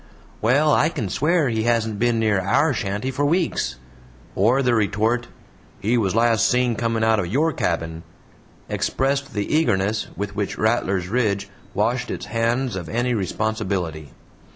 "Well, I can swear he hasn't been near our shanty for weeks," or the retort, "He was last seen comin' out of YOUR cabin," expressed the eagerness with which Rattlers Ridge washed its hands of any responsibility.